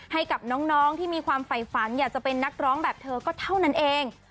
ให้กับน้องที่มีความฝ่ายฝันอยากจะเป็นนักร้องแบบเธอก็เท่านั้นเอง